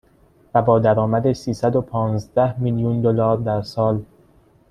و با درآمد سیصد و پانزده میلیون دلار در سال